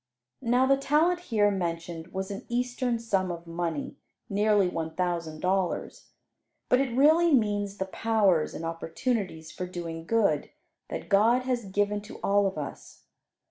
Now the talent here mentioned was an eastern sum of money (nearly one thousand dollars), but it really means the powers and opportunities for doing good that God has given to all of us.